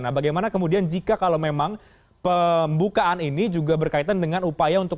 nah bagaimana kemudian jika kalau memang pembukaan ini juga berkaitan dengan upaya untuk